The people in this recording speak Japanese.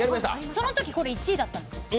そのとき、これ１位だったんですよ。